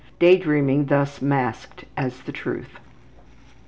Daydreaming thus masked as the truth.